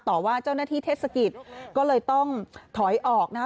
ต่อว่าเจ้าหน้าที่เทศกิจก็เลยต้องถอยออกนะคะ